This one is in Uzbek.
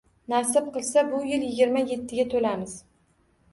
-Nasib qilsa, bu yil yigirma yettiga to’lamiz.